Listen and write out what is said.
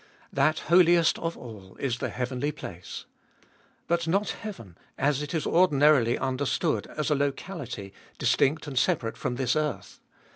That Holiest of All is the heavenly place. But not heaven, as it is ordinarily understood, as a locality, distinct and separate from this earth.